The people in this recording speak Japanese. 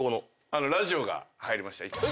ラジオが入りました。